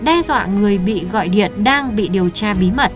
đe dọa người bị gọi điện đang bị điều tra bí mật